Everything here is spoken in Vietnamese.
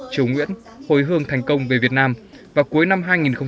triều nguyễn hồi hương thành công về việt nam vào cuối năm hai nghìn hai mươi ba